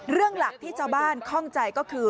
เรื่องหลักที่ชาวบ้านคล่องใจก็คือ